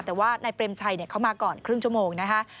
แต่ว่านายเปรมชัยเขามาก่อนครึ่งชั่วโมงนะคะ